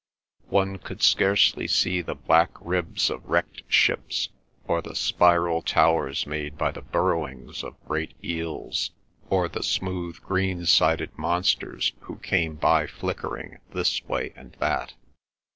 One could scarcely see the black ribs of wrecked ships, or the spiral towers made by the burrowings of great eels, or the smooth green sided monsters who came by flickering this way and that.